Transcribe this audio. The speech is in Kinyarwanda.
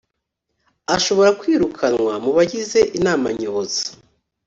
ashobora kwirukanwa mu bagize inama nyobozi